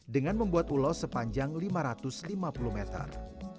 dengan membuat ulos sepanjang lima ratus lima puluh meter